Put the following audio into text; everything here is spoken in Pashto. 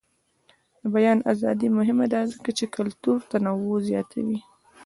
د بیان ازادي مهمه ده ځکه چې کلتوري تنوع زیاتوي.